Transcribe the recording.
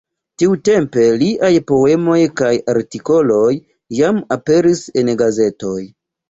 Tiutempe liaj poemoj kaj artikoloj jam aperis en gazetoj.